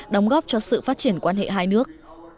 đóng góp cho sự phát triển quan hệ hai nước